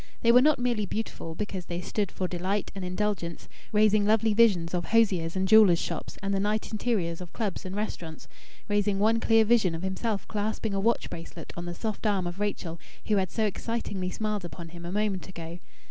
They were not merely beautiful because they stood for delight and indulgence, raising lovely visions of hosiers' and jewellers' shops and the night interiors of clubs and restaurants raising one clear vision of himself clasping a watch bracelet on the soft arm of Rachel who had so excitingly smiled upon him a moment ago.